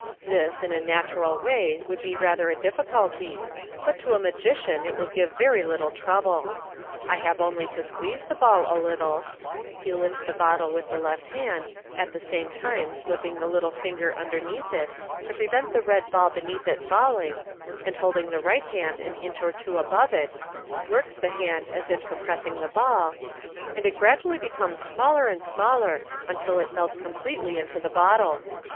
This, in a natural way, would be rather a difficulty, but to a magician it will give very little trouble. I have only to squeeze the ball a little " (he lifts the bottle with the left hand, at the same time slipping the little finger underneath it, to pre vent the red ball beneath it falling, and holding the right hand an inch or two above it, works the hand as if compressing the ball), " and it gradually becomes smaller and smaller, till it melts completely into the bottle."